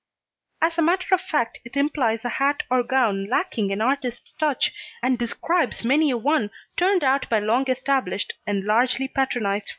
As a matter of fact it implies a hat or gown lacking an artist's touch and describes many a one turned out by long established and largely patronised firms.